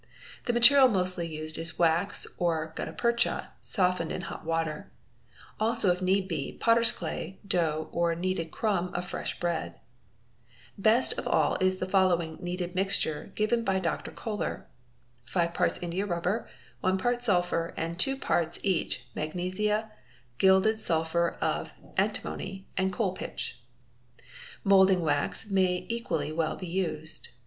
invegl The material mostly used is wax or guttapercha softened in hot water also if need be, potter's clay, dough, or kneaded crumb of fresh bre: vd Best of all is the followimg kneaded mixture given by Dr. Kollei 810 5 parts India rubber, 1 part sulphur, and 2 parts each magnesia, ilde ¢ t§ sulphur of antimony, and coal pitch. Moulding wax may equally well be used.